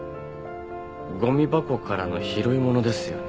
ごみ箱からの拾い物ですよね？